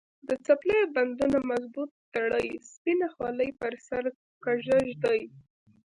د څپلیو بندونه مضبوط تړي، سپینه خولې پر سر کږه ږدي.